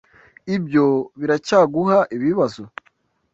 Ibyo biracyaguha ibibazo?